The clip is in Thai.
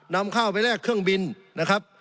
นำข้าวไปแลกเครื่องบินนะครับ